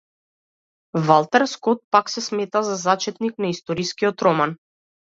Валтер Скот, пак, се смета за зачетник на историскиот роман.